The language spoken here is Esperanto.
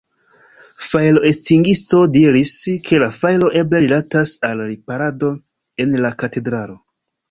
Fajroestingisto diris, ke la fajro eble rilatas al riparado en la katedralo.